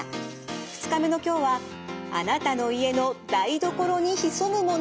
２日目の今日はあなたの家の台所に潜むもの。